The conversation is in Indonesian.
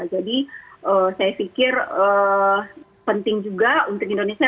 jadi saya pikir penting juga untuk indonesia